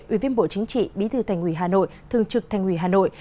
ủy viên bộ chính trị bí thư thành ủy hà nội thường trực thành ủy hà nội